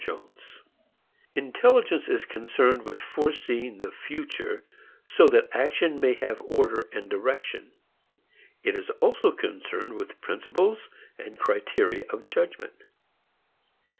VII Intelligence is concerned with foreseeing the future so that action may have order and direction. It is also concerned with principles and criteria of judgment.